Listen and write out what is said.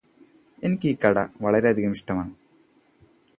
എനിക്ക് ഈ കട വളരെയധികം ഇഷ്ടമാണ്